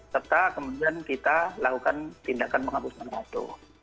serta kemudian kita lakukan tindakan menghapuskan waktu